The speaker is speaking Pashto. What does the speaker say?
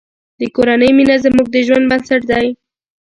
د کورنۍ مینه زموږ د ژوند بنسټ دی.